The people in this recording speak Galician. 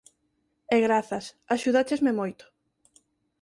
E grazas, axudáchesme moito.